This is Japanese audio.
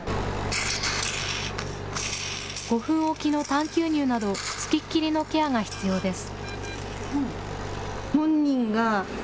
５分置きのたん吸入など、付きっきりのケアが必要です。